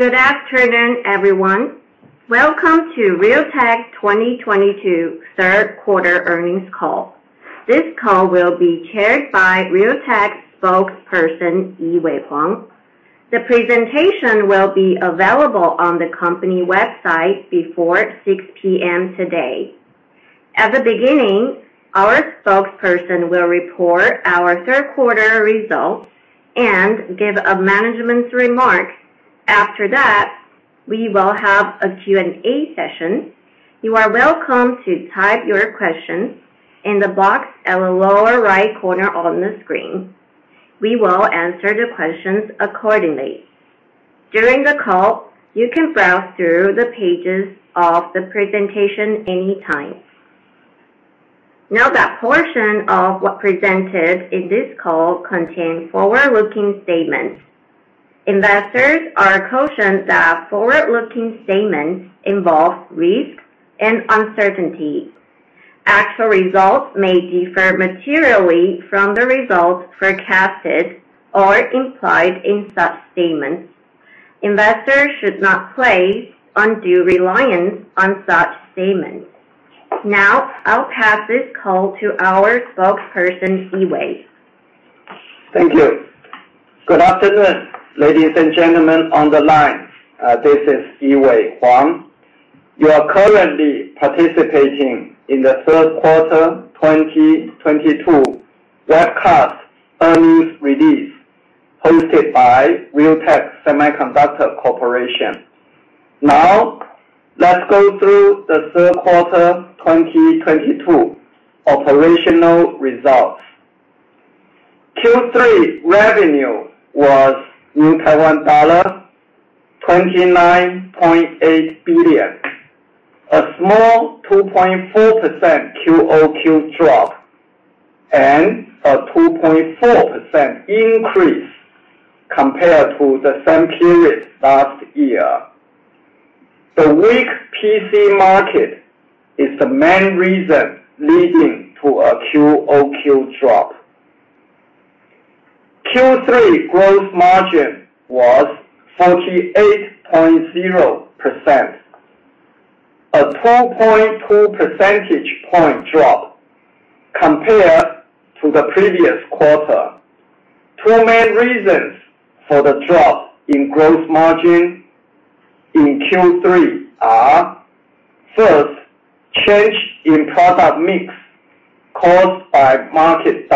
Good afternoon, everyone. Welcome to Realtek 2022 third quarter earnings call. This call will be chaired by Realtek spokesperson, Yee-Wei Huang. The presentation will be available on the company website before 6 P.M. today. At the beginning, our spokesperson will report our third quarter results and give a management's remarks. After that, we will have a Q&A session. You are welcome to type your questions in the box at the lower right corner on the screen. We will answer the questions accordingly. During the call, you can browse through the pages of the presentation any time. Note that portion of what presented in this call contain forward-looking statements. Investors are cautioned that forward-looking statements involve risk and uncertainty. Actual results may differ materially from the results forecasted or implied in such statements. Investors should not place undue reliance on such statements. Now, I'll pass this call to our spokesperson, Yee-Wei Huang. Thank you. Good afternoon, ladies and gentlemen on the line. This is Yee-Wei Huang. You are currently participating in the third quarter 2022 webcast earnings release hosted by Realtek Semiconductor Corporation. Now, let's go through the third quarter 2022 operational results. Q3 revenue was Taiwan dollar 29.8 billion, a small 2.4% QoQ drop, and a 2.4% increase compared to the same period last year. The weak PC market is the main reason leading to a QoQ drop. Q3 gross margin was 48.0%, a 2.2 percentage point drop compared to the previous quarter. Two main reasons for the drop in gross margin in Q3 are, first, change in product mix caused by market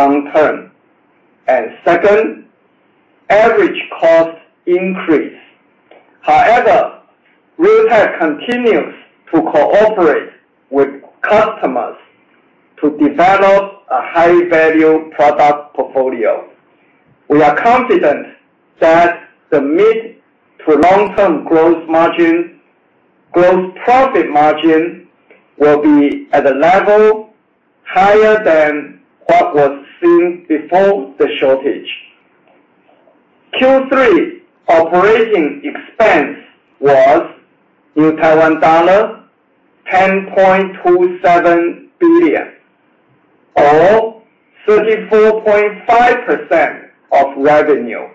downturn. Second, average cost increase. However, Realtek continues to cooperate with customers to develop a high-value product portfolio. We are confident that the mid-to-long term growth profit margin will be at a level higher than what was seen before the shortage. Q3 operating expense was TWD 10.27 billion, or 34.5% of revenue.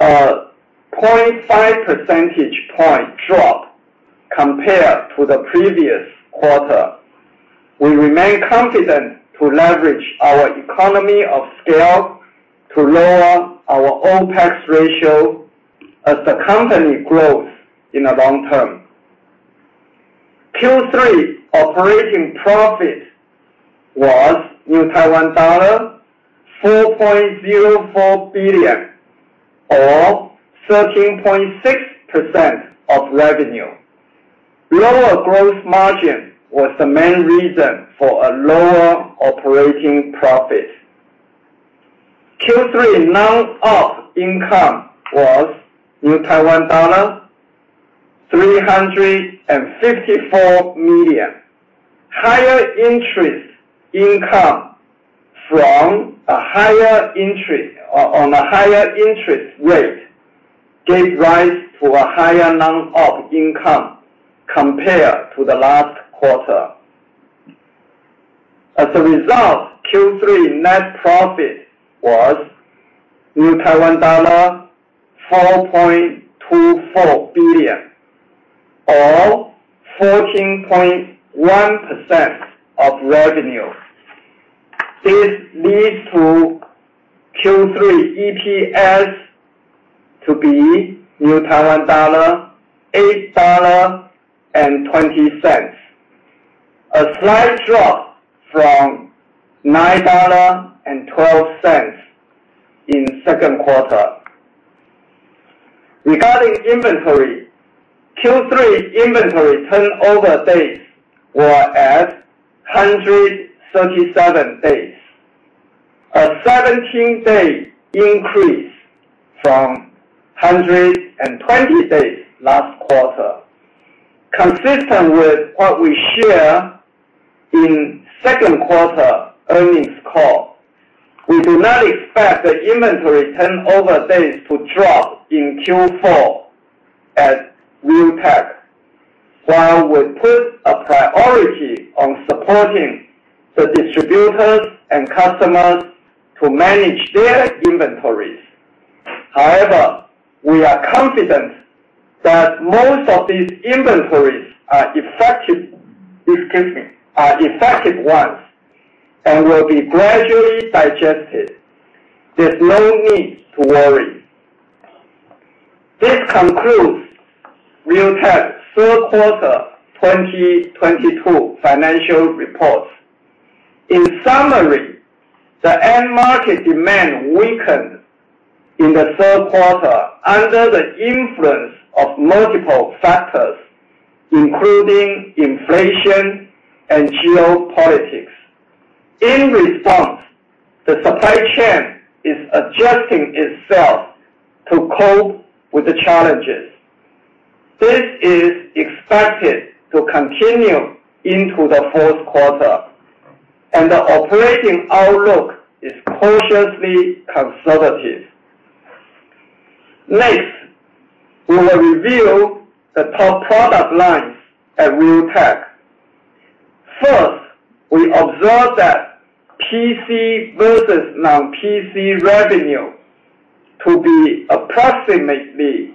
0.5 percentage point drop compared to the previous quarter. We remain confident to leverage our economy of scale to lower our OpEx ratio as the company grows in the long term. Q3 operating profit was TWD 4.04 billion or 13.6% of revenue. Lower growth margin was the main reason for a lower operating profit. Q3 non-op income was Taiwan dollar 354 million. Higher interest income from a higher interest rate gave rise to a higher non-op income compared to the last quarter. As a result, Q3 net profit was TWD 4.24 billion or 14.1% of revenue. This leads to Q3 EPS to be 8.20 dollar, a slight drop from 9.12 dollar in second quarter. Regarding inventory, Q3 inventory turnover days were at 137 days, a 17-day increase from 120 days last quarter. Consistent with what we share in second quarter earnings call, we do not expect the inventory turnover days to drop in Q4 at Realtek. While we put a priority on supporting the distributors and customers to manage their inventories. However, we are confident that most of these inventories are effective, excuse me, are effective ones, and will be gradually digested. There's no need to worry. This concludes Realtek's third quarter 2022 financial report. In summary, the end market demand weakened in the third quarter under the influence of multiple factors, including inflation and geopolitics. In response, the supply chain is adjusting itself to cope with the challenges. This is expected to continue into the fourth quarter, and the operating outlook is cautiously conservative. Next, we will review the top product lines at Realtek. First, we observe that PC versus non-PC revenue to be approximately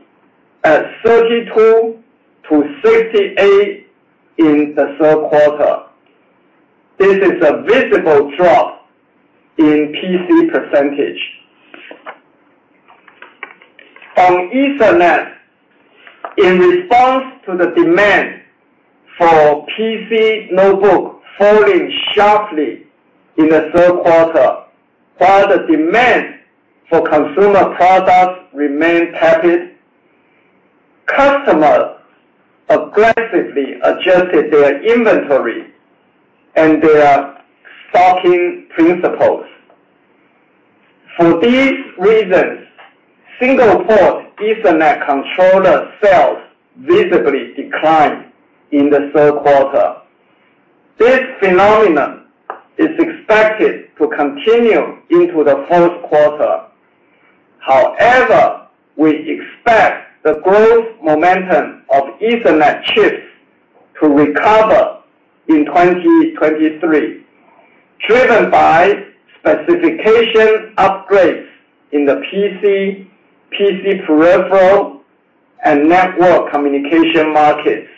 at 32%-38% in the third quarter. This is a visible drop in PC percentage. On Ethernet, in response to the demand for PC notebook falling sharply in the third quarter, while the demand for consumer products remained tepid, customers aggressively adjusted their inventory and their stocking principles. For these reasons, single port Ethernet controller sales visibly declined in the third quarter. This phenomenon is expected to continue into the fourth quarter. However, we expect the growth momentum of Ethernet chips to recover in 2023, driven by specification upgrades in the PC peripheral, and network communication markets.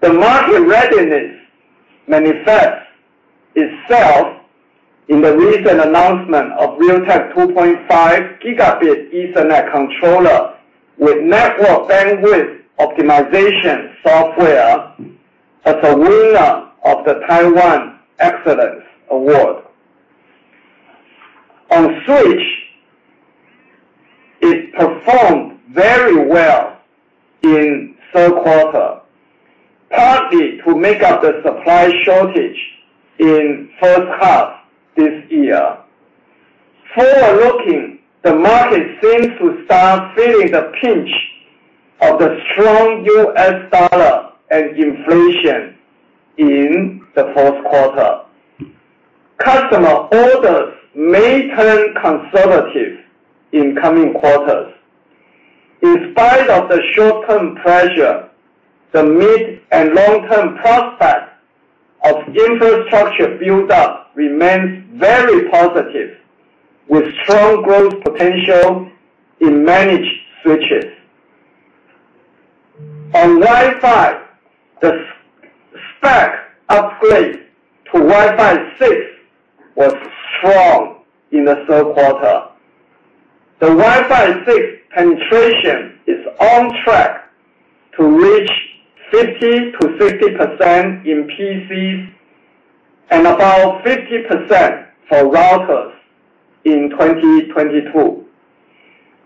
The market readiness manifests itself in the recent announcement of Realtek 2.5 Gb Ethernet controller with network bandwidth optimization software as a winner of the Taiwan Excellence Award. On switch, it performed very well in third quarter, partly to make up the supply shortage in first half this year. Forward-looking, the market seems to start feeling the pinch of the strong US dollar and inflation in the fourth quarter. Customer orders may turn conservative in coming quarters. In spite of the short-term pressure, the mid and long-term prospect of infrastructure build up remains very positive, with strong growth potential in managed switches. On Wi-Fi, the spec upgrade to Wi-Fi 6 was strong in the third quarter. The Wi-Fi 6 penetration is on track to reach 50%-60% in PCs and about 50% for routers in 2022.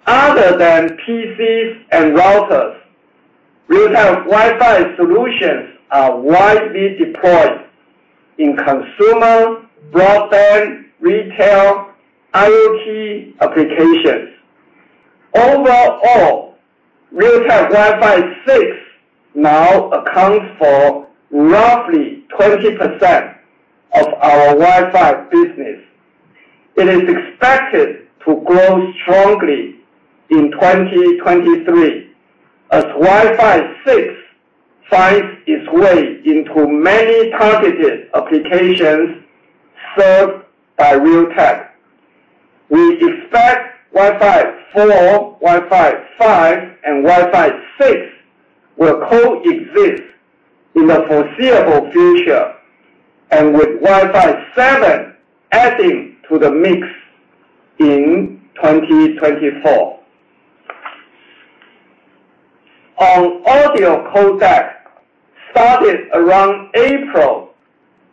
Other than PCs and routers, Realtek Wi-Fi solutions are widely deployed in consumer, broadband, retail, IoT applications. Overall, Realtek Wi-Fi 6 now accounts for roughly 20% of our Wi-Fi business. It is expected to grow strongly in 2023 as Wi-Fi 6 finds its way into many targeted applications served by Realtek. We expect Wi-Fi 4, Wi-Fi 5, and Wi-Fi 6 will co-exist in the foreseeable future, and with Wi-Fi 7 adding to the mix in 2024. On audio codec, started around April,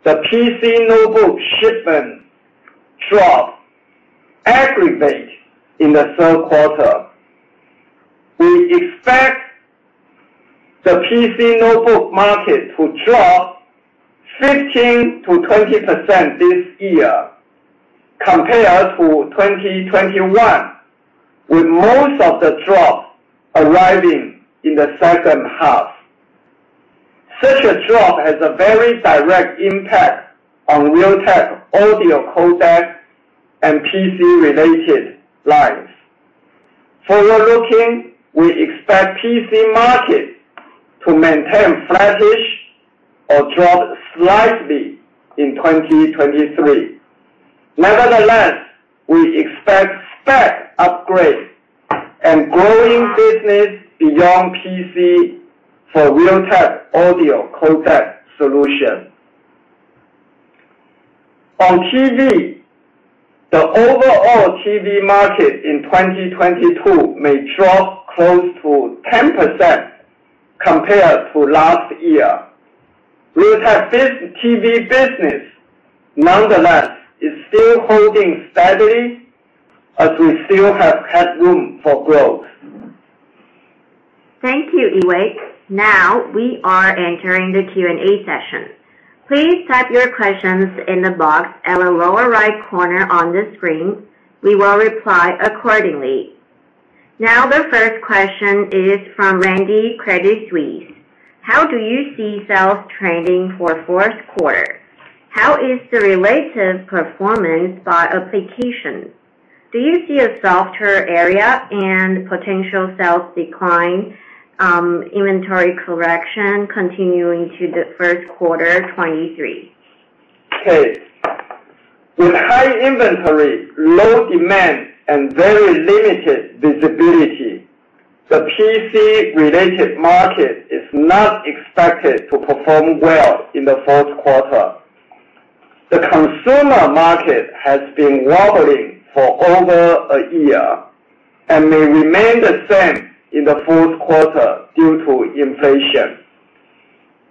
the PC notebook shipment dropped aggregate in the third quarter. We expect the PC notebook market to drop 15%-20% this year compared to 2021, with most of the drop arriving in the second half. Such a drop has a very direct impact on Realtek audio codec and PC related lines. Forward looking, we expect PC market to maintain flattish or drop slightly in 2023. Nevertheless, we expect spec upgrades and growing business beyond PC for Realtek audio codec solution. On TV, the overall TV market in 2022 may drop close to 10% compared to last year. Realtek's TV business, nonetheless, is still holding steadily as we still have headroom for growth. Thank you, Yee-Wei. Now we are entering the Q&A session. Please type your questions in the box at the lower right corner on the screen. We will reply accordingly. Now the first question is from Randy, Credit Suisse. How do you see sales trending for fourth quarter? How is the relative performance by application? Do you see a softer area and potential sales decline, inventory correction continuing to the first quarter 2023? Okay. With high inventory, low demand, and very limited visibility, the PC related market is not expected to perform well in the fourth quarter. The consumer market has been wobbling for over a year and may remain the same in the fourth quarter due to inflation.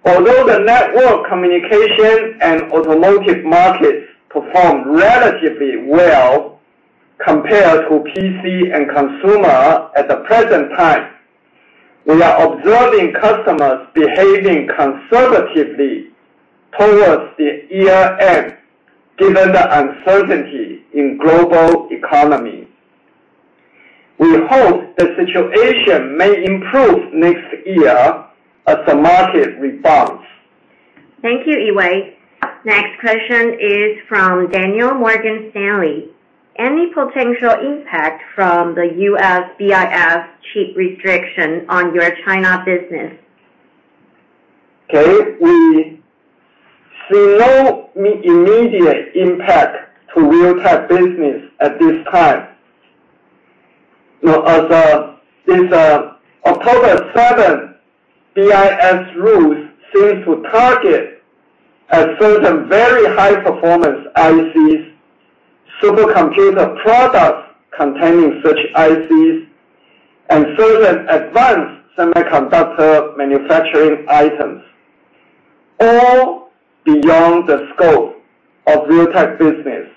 Although the network communication and automotive markets perform relatively well compared to PC and consumer at the present time, we are observing customers behaving conservatively towards the year end given the uncertainty in global economy. We hope the situation may improve next year as the market rebounds. Thank you, Yee-Wei. Next question is from Daniel, Morgan Stanley. Any potential impact from the U.S. BIS chip restriction on your China business? Okay. We see no immediate impact to Realtek business at this time. You know, as this October 7th, BIS rules seems to target at certain very high performance ICs, super computer products containing such ICs, and certain advanced semiconductor manufacturing items, all beyond the scope of Realtek business.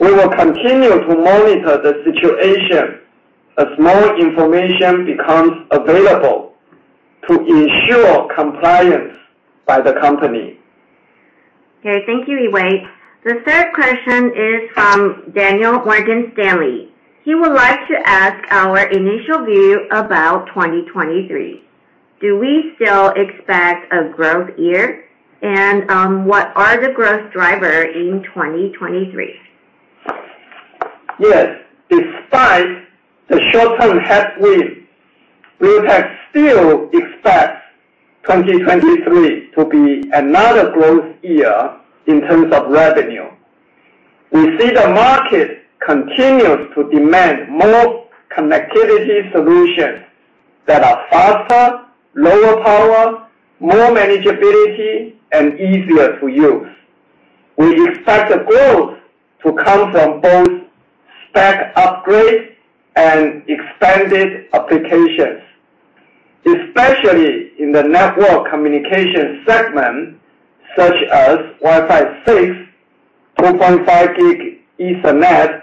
We will continue to monitor the situation as more information becomes available to ensure compliance by the company. Thank you, Yee-Wei. The third question is from Daniel, Morgan Stanley. He would like to ask our initial view about 2023. Do we still expect a growth year? What are the growth driver in 2023? Yes. Despite the short-term headwind, Realtek still expects 2023 to be another growth year in terms of revenue. We see the market continues to demand more connectivity solutions that are faster, lower power, more manageability, and easier to use. We expect the growth to come from both spec upgrades and expanded applications, especially in the network communication segment such as Wi-Fi 6, 2.5G Ethernet,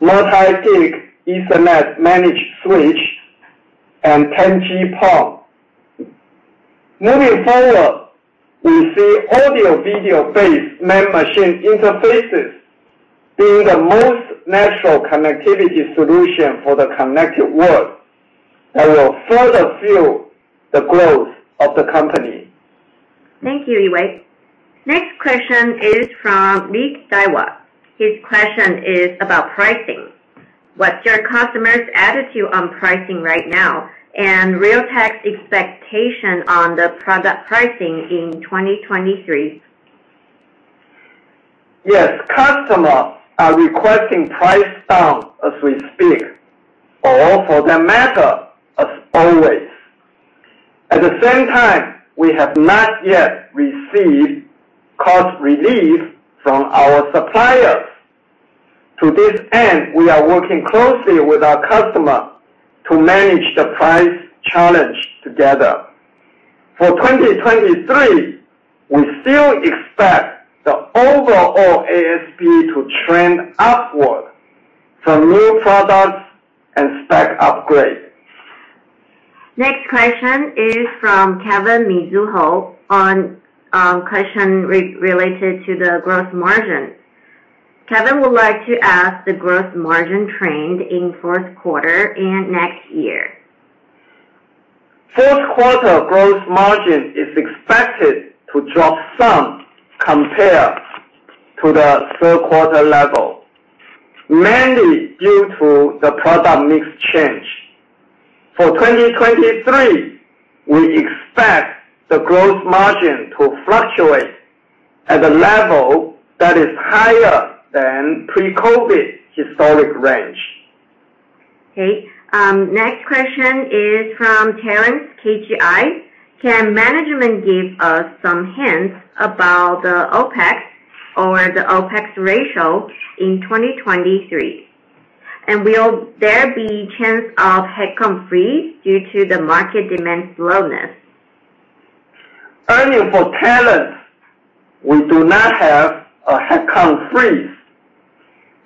multi-gig Ethernet managed switch, and 10G-PON. Moving forward, we see audio/video-based man-machine interfaces being the most natural connectivity solution for the connected world that will further fuel the growth of the company. Thank you, Yee-Wei. Next question is from Nick, Daiwa. His question is about pricing. What's your customers' attitude on pricing right now, and Realtek's expectation on the product pricing in 2023? Yes, customers are requesting price down as we speak, or for that matter, as always. At the same time, we have not yet received cost relief from our suppliers. To this end, we are working closely with our customer to manage the price challenge together. For 2023, we still expect the overall ASP to trend upward from new products and spec upgrade. Next question is from Kevin, Mizuho, on question related to the gross margin. Kevin would like to ask the gross margin trend in fourth quarter and next year. Fourth quarter gross margin is expected to drop some compared to the third quarter level, mainly due to the product mix change. For 2023, we expect the gross margin to fluctuate at a level that is higher than pre-COVID historic range. Next question is from Terrence, KGI. Can management give us some hints about the OpEx or the OpEx ratio in 2023? Will there be chance of headcount freeze due to the market demand slowness? Regarding Terrence, we do not have a headcount freeze,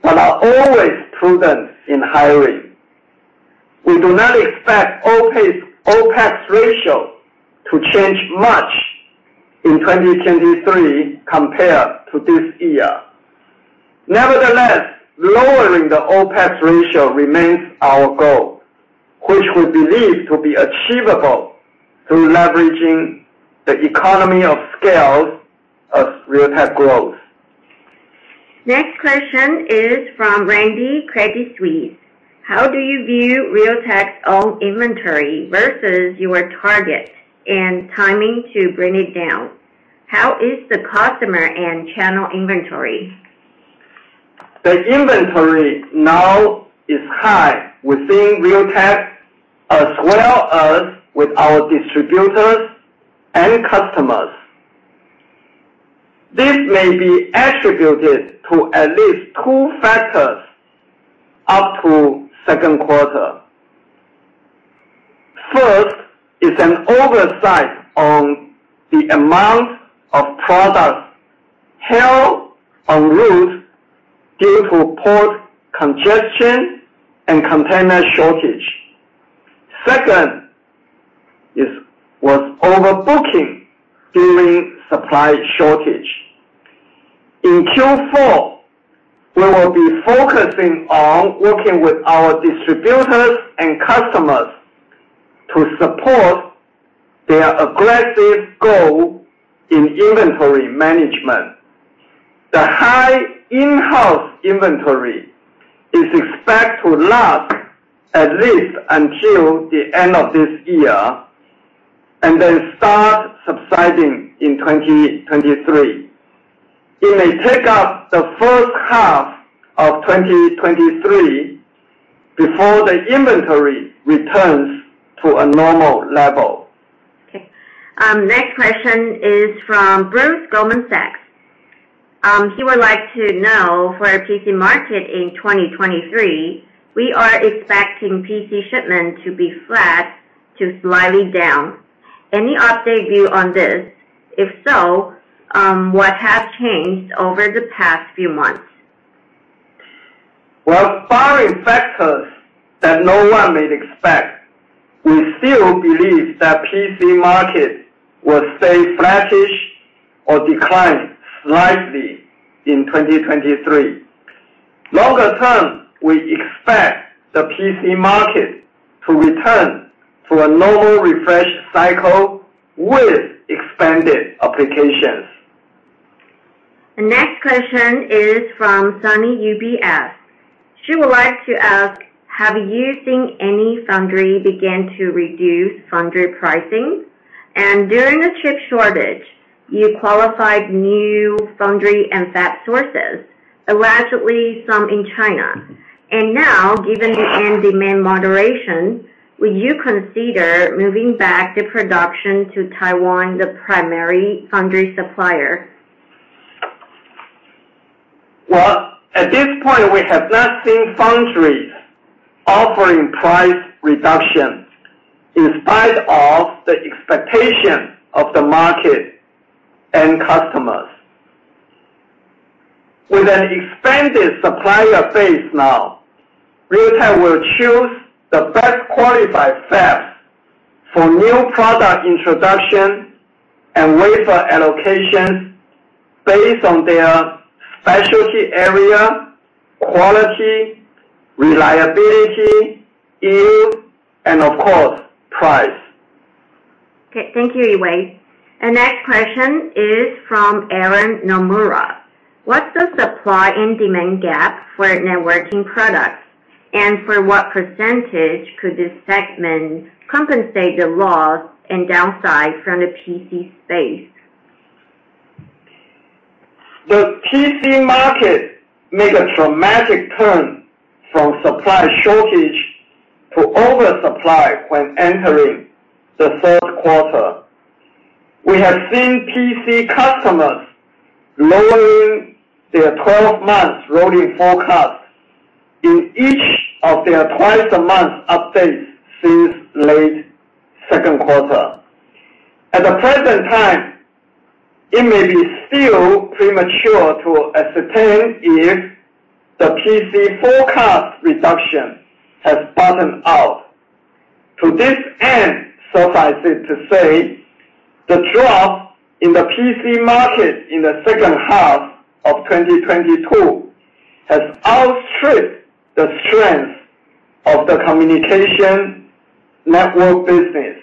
but are always prudent in hiring. We do not expect OpEx ratio to change much in 2023 compared to this year. Nevertheless, lowering the OpEx ratio remains our goal, which we believe to be achievable through leveraging the economies of scale as Realtek grows. Next question is from Randy, Credit Suisse. How do you view Realtek's own inventory versus your target and timing to bring it down? How is the customer and channel inventory? The inventory now is high within Realtek, as well as with our distributors and customers. This may be attributed to at least two factors up to second quarter. First is an oversight on the amount of products held en route due to port congestion and container shortage. Second was overbooking during supply shortage. In Q4, we will be focusing on working with our distributors and customers to support their aggressive goal in inventory management. The high in-house inventory is expected to last at least until the end of this year, and then start subsiding in 2023. It may take up the first half of 2023 before the inventory returns to a normal level. Okay. Next question is from Bruce, Goldman Sachs. He would like to know for our PC market in 2023, we are expecting PC shipment to be flat to slightly down. Any update view on this? If so, what has changed over the past few months? Well, barring factors that no one may expect, we still believe that PC market will stay flattish or decline slightly in 2023. Longer term, we expect the PC market to return to a normal refresh cycle with expanded applications. The next question is from Sunny, UBS. She would like to ask, have you seen any foundry begin to reduce foundry pricing? During the chip shortage, you qualified new foundry and fab sources, allegedly some in China. Now, given the end demand moderation, will you consider moving back the production to Taiwan, the primary foundry supplier? Well, at this point, we have not seen foundries offering price reduction in spite of the expectation of the market and customers. With an expanded supplier base now, Realtek will choose the best qualified fabs for new product introduction and wafer allocations based on their specialty area, quality, reliability, yield, and of course, price. Okay. Thank you, Yi Wei. The next question is from Aaron, Nomura. What's the supply and demand gap for networking products? And for what percentage could this segment compensate the loss and downside from the PC space? The PC market made a dramatic turn from supply shortage to oversupply when entering the third quarter. We have seen PC customers lowering their 12-month rolling forecast in each of their twice-a-month updates since late second quarter. At the present time, it may be still premature to ascertain if the PC forecast reduction has bottomed out. To this end, suffice it to say, the drop in the PC market in the second half of 2022 has outstripped the strength of the communication network business.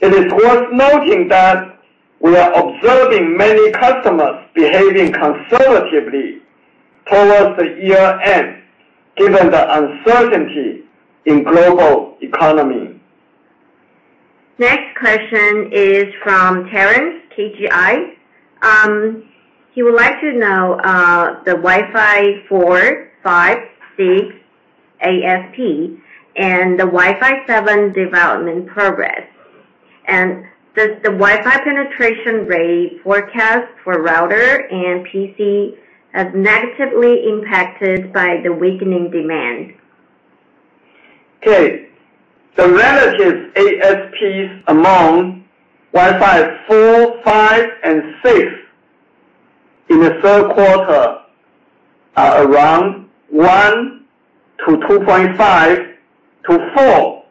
It is worth noting that we are observing many customers behaving conservatively towards the year end, given the uncertainty in global economy. Next question is from Terrence, KGI. He would like to know the Wi-Fi 4, 5, 6 ASP, and the Wi-Fi 7 development progress. Does the Wi-Fi penetration rate forecast for router and PC is negatively impacted by the weakening demand? Okay. The relative ASPs among Wi-Fi 4, 5 and 6 in the third quarter are around 1 to 2.5 to 4,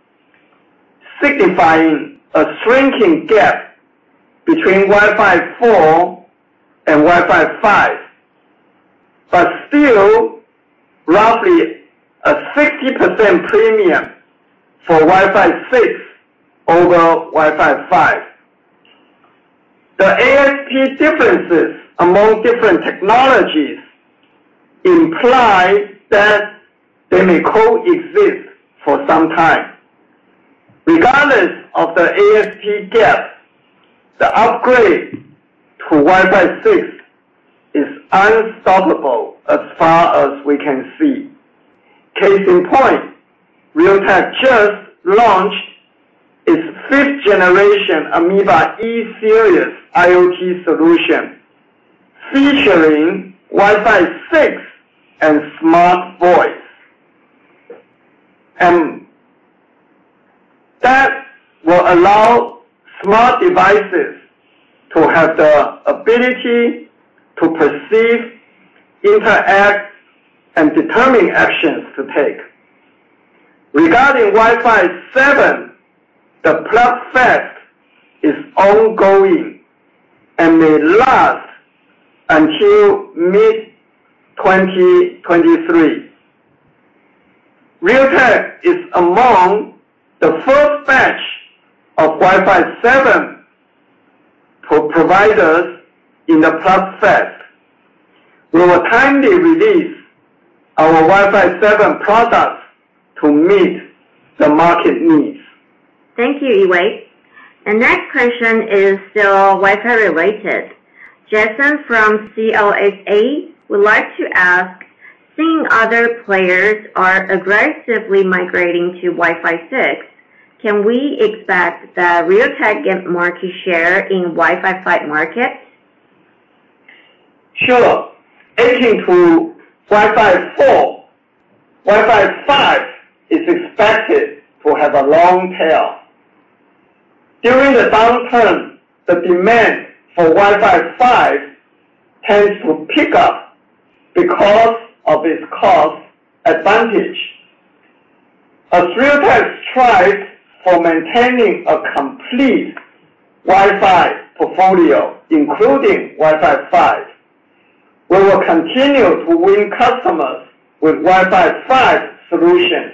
signifying a shrinking gap between Wi-Fi 4 and Wi-Fi 5. Still, roughly a 60% premium for Wi-Fi 6 over Wi-Fi 5. The ASP differences among different technologies imply that they may coexist for some time. Regardless of the ASP gap, the upgrade to Wi-Fi 6 is unstoppable as far as we can see. Case in point, Realtek just launched its 5th-Generation Ameba E-series IoT solution, featuring Wi-Fi 6 and smart voice. That will allow smart devices to have the ability to perceive, interact, and determine actions to take. Regarding Wi-Fi 7, the PlugFest is ongoing and may last until mid-2023. Realtek is among the first batch of Wi-Fi 7 providers in the PlugFest. We will timely release our Wi-Fi 7 products to meet the market needs. Thank you, Yee-Wei. The next question is still Wi-Fi related. Jason from CLSA would like to ask, seeing other players are aggressively migrating to Wi-Fi 6, can we expect that Realtek get market share in Wi-Fi 5 market? Sure. Adding to Wi-Fi 4, Wi-Fi 5 is expected to have a long tail. During the downturn, the demand for Wi-Fi 5 tends to pick up because of its cost advantage. As Realtek strives for maintaining a complete Wi-Fi portfolio, including Wi-Fi 5, we will continue to win customers with Wi-Fi 5 solutions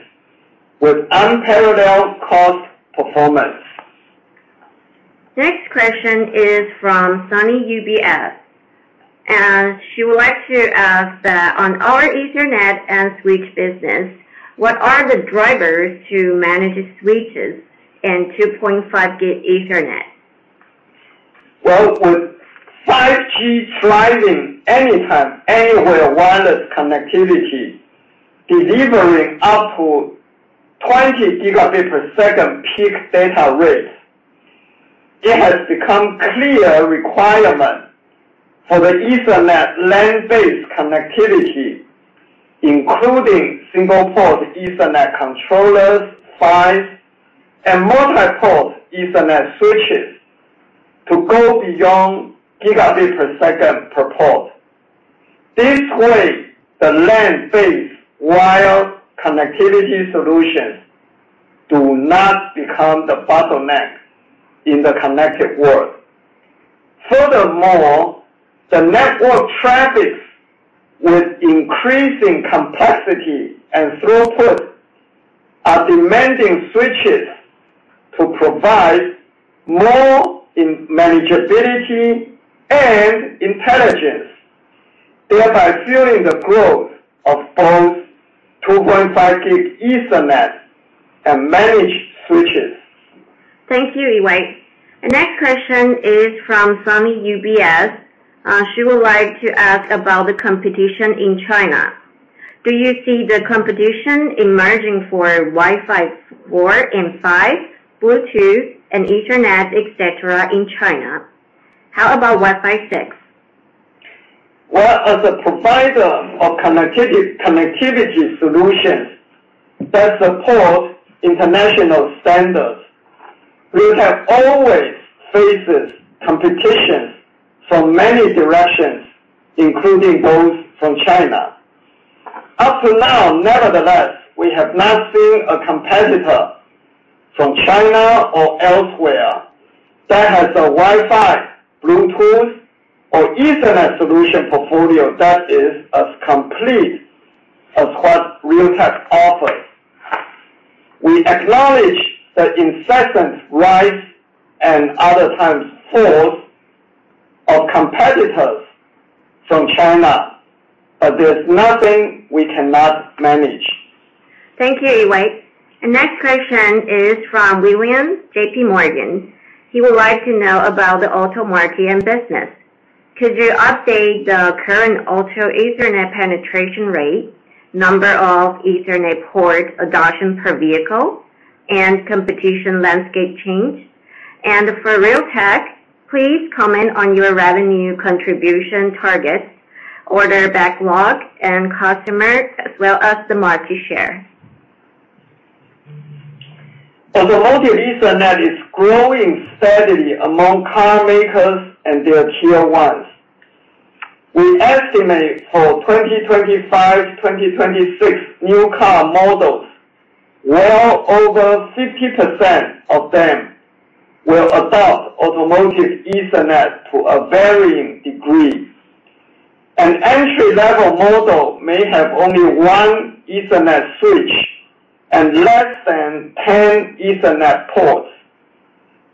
with unparalleled cost performance. Next question is from Sunny, UBS, and she would like to ask that on our Ethernet and switch business, what are the drivers to manage switches in 2.5 gig Ethernet? Well, with 5G driving anytime, anywhere wireless connectivity, delivering up to 20 Gb per second peak data rates, it has become a clear requirement for the Ethernet LAN-based connectivity, including single port Ethernet controllers, PHYs, and multi-port Ethernet switches to go beyond gigabit per second per port. This way, the LAN-based wired connectivity solutions do not become the bottleneck in the connected world. Furthermore, the network traffic with increasing complexity and throughput is demanding switches to provide more in manageability and intelligence, thereby fueling the growth of both 2.5G Ethernet and managed switches. Thank you, Yi-Wei. The next question is from Sunny, UBS. She would like to ask about the competition in China. Do you see the competition emerging for Wi-Fi 4 and 5, Bluetooth and Ethernet, et cetera, in China? How about Wi-Fi 6? Well, as a provider of connectivity solutions that support international standards, Realtek always faces competition from many directions, including those from China. Up to now, nevertheless, we have not seen a competitor from China or elsewhere, that has a Wi-Fi, Bluetooth, or Ethernet solution portfolio that is as complete as what Realtek offers. We acknowledge the incessant rise, and other times falls, of competitors from China, but there's nothing we cannot manage. Thank you, Yee-Wei Huang. The next question is from William, JPMorgan. He would like to know about the auto market and business. Could you update the current auto Ethernet penetration rate, number of Ethernet port adoption per vehicle, and competition landscape change? For Realtek, please comment on your revenue contribution targets, order backlog, and customers, as well as the market share. Automotive Ethernet is growing steadily among car makers and their tier ones. We estimate for 2025, 2026 new car models, well over 50% of them will adopt automotive Ethernet to a varying degree. An entry-level model may have only one Ethernet switch and less than 10 Ethernet ports.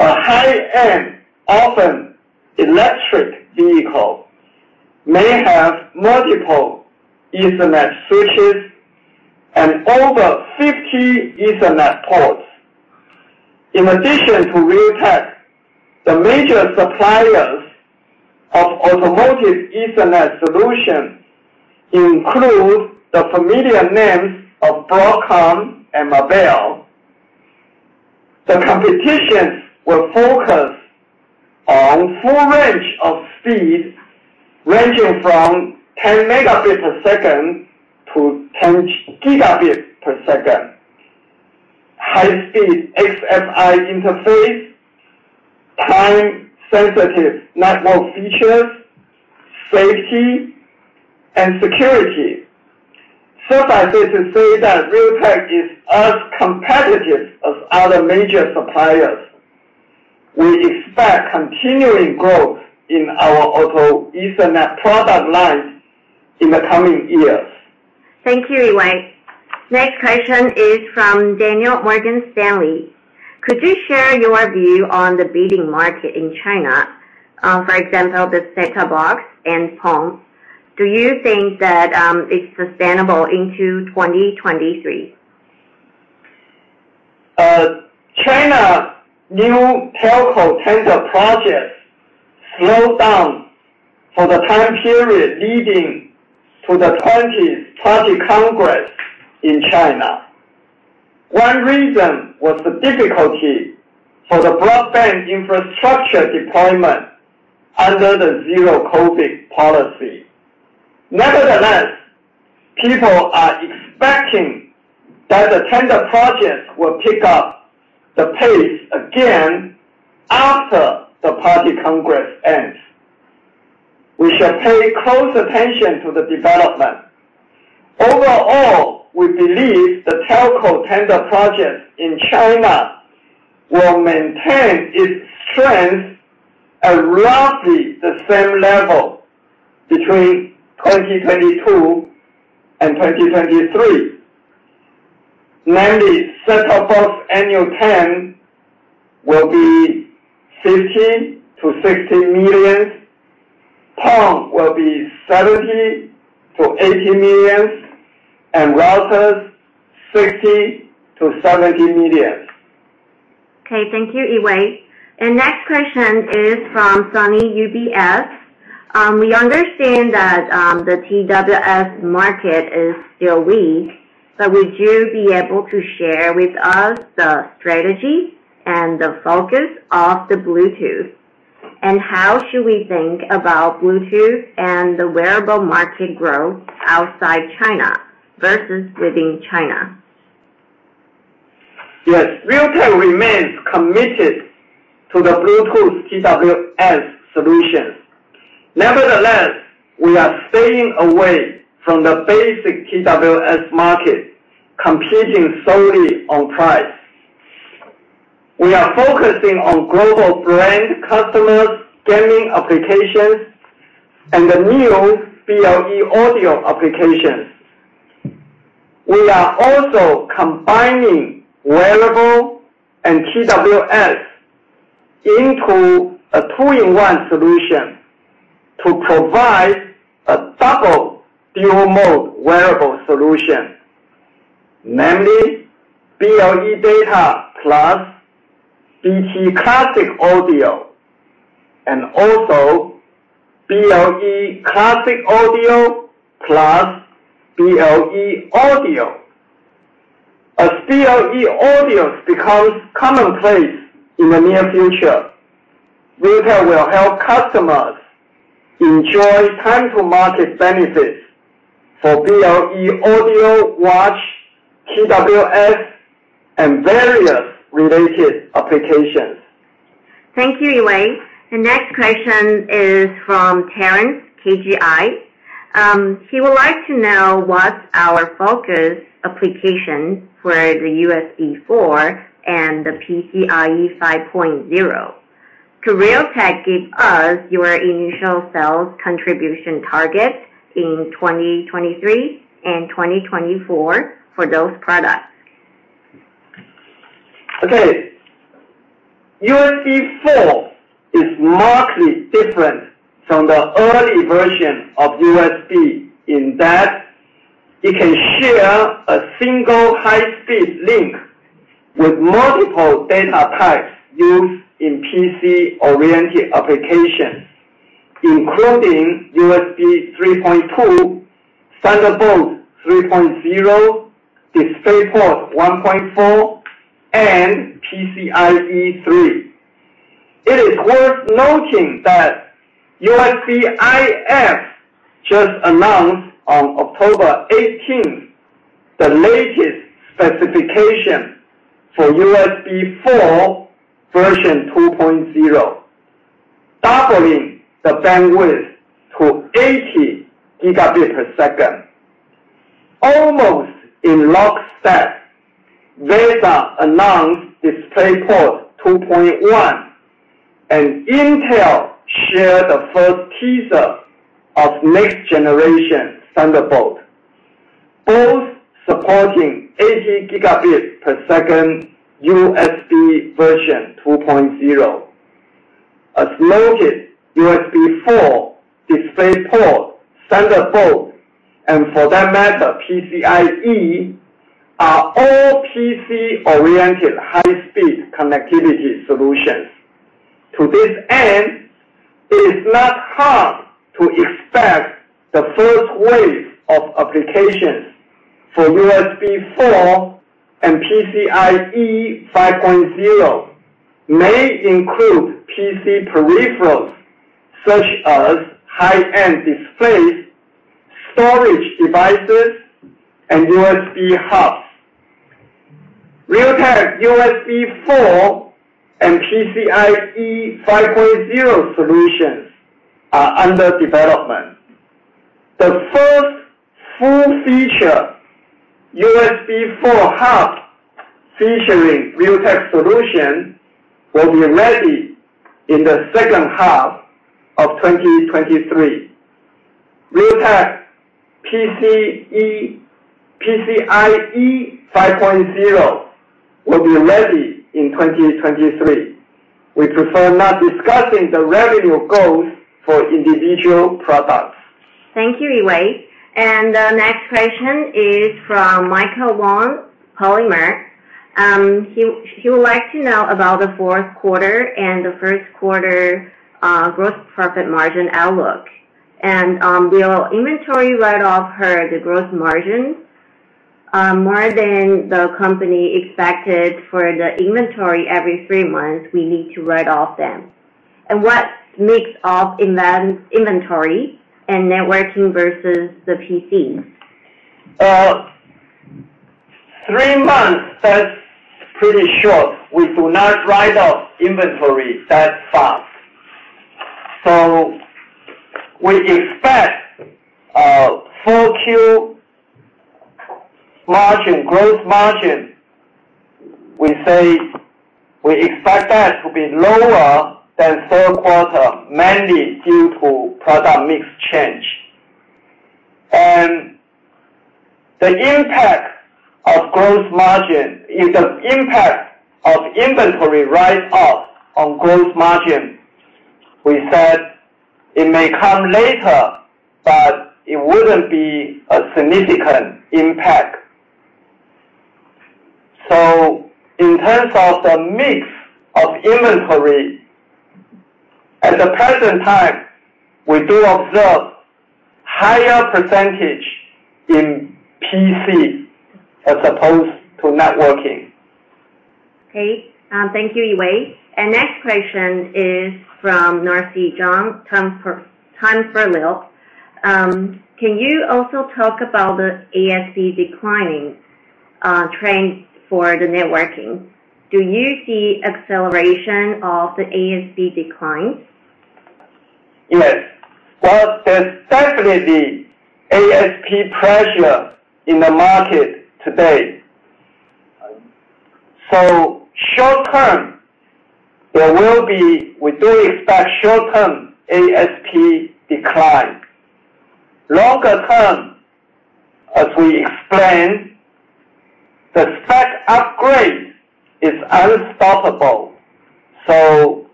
A high-end, often electric vehicle may have multiple Ethernet switches and over 50 Ethernet ports. In addition to Realtek, the major suppliers of automotive Ethernet solutions include the familiar names of Broadcom and Marvell. The competitions will focus on full range of speed, ranging from 10 Mbps to 10 Gbps. High speed XFI interface, time-sensitive network features, safety, and security. Suffice it to say that Realtek is as competitive as other major suppliers. We expect continuing growth in our auto Ethernet product lines in the coming years. Thank you, Yee-Wei. Next question is from Daniel, Morgan Stanley. Could you share your view on the bidding market in China? For example, the set-top box and PON. Do you think that it's sustainable into 2023? China new telco tender projects slowed down for the time period leading to the 20th Party Congress in China. One reason was the difficulty for the broadband infrastructure deployment under the zero-COVID policy. Nevertheless, people are expecting that the tender projects will pick up the pace again after the Party Congress ends. We shall pay close attention to the development. Overall, we believe the telco tender projects in China will maintain its strength at roughly the same level between 2022 and 2023, namely set-top box annual TAM will be 50 million-60 million, PON will be 70 million-80 million, and routers 60-70 million. Okay, thank you, Yee-Wei. Next question is from Sunny, UBS. We understand that the TWS market is still weak, but would you be able to share with us the strategy and the focus of the Bluetooth? How should we think about Bluetooth and the wearable market growth outside China versus within China? Yes. Realtek remains committed to the Bluetooth TWS solutions. Nevertheless, we are staying away from the basic TWS market, competing solely on price. We are focusing on global brand customers, gaming applications, and the new BLE Audio applications. We are also combining wearable and TWS into a two-in-one solution to provide a double dual-mode wearable solution, namely BLE data plus Bluetooth Classic audio, and also BLE classic audio plus BLE Audio. As BLE Audio becomes commonplace in the near future, Realtek will help customers enjoy time-to-market benefits for BLE Audio watch, TWS, and various related applications. Thank you, Yee-Wei Huang. The next question is from Terence, KGI. He would like to know what's our focus application for the USB4 and the PCIe 5.0. Could Realtek give us your initial sales contribution target in 2023 and 2024 for those products? Okay. USB4 is markedly different from the early version of USB in that it can share a single high speed link with multiple data types used in PC-oriented applications, including USB 3.2, Thunderbolt 3.0, DisplayPort 1.4, and PCIe 3.0. It is worth noting that USB-IF just announced on October 18, the latest specification for USB4 version 2.0, doubling the bandwidth to 80 Gbps. Almost in lockstep, VESA announced DisplayPort 2.1, and Intel shared the first teaser of next generation Thunderbolt, both supporting 80 Gbps USB version 2.0. As noted, USB4, DisplayPort, Thunderbolt, and for that matter, PCIe, are all PC-oriented high speed connectivity solutions. To this end, it is not hard to expect the first wave of applications for USB4 and PCIe 5.0 may include PC peripherals such as high-end displays, storage devices, and USB hubs. Realtek USB4 and PCIe 5.0 solutions are under development. The first full feature USB4 hub featuring Realtek solution will be ready in the second half of 2023. Realtek PCIe 5.0 will be ready in 2023. We prefer not discussing the revenue goals for individual products. Thank you, Yee-Wei Huang. The next question is from Michael Wong, Polymer. He would like to know about the fourth quarter and the first quarter gross profit margin outlook. Will inventory write-off hurt the gross margin more than the company expected for the inventory every three months we need to write off them? What mix of inventory and networking versus the PC? Three months, that's pretty short. We do not write off inventory that fast. We expect full Q gross margin, gross margin. We say we expect that to be lower than third quarter, mainly due to product mix change. The impact on gross margin is the impact of inventory write-off on gross margin. We said it may come later, but it wouldn't be a significant impact. In terms of the mix of inventory, at the present time, we do observe higher percentage in PC as opposed to networking. Okay. Thank you, Yee-Wei. Next question is from Laura Chen, Citigroup. Can you also talk about the ASP declining trend for the networking? Do you see acceleration of the ASP declines? Yes. Well, there's definitely ASP pressure in the market today. Short term, we do expect short-term ASP decline. Longer term, as we explained, the spec upgrade is unstoppable.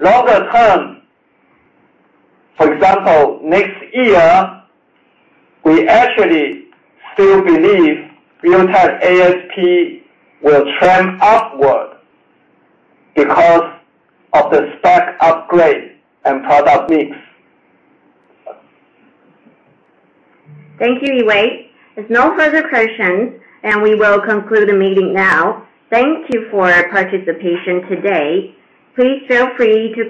Longer term, for example, next year, we actually still believe Realtek ASP will trend upward because of the spec upgrade and product mix. Thank you, Yee-Wei. There's no further questions, and we will conclude the meeting now. Thank you for your participation today. Please feel free to con-